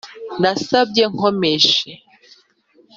nasabye nkomeje oua